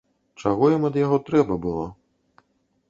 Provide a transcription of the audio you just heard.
Чаго ім ад яго трэба было?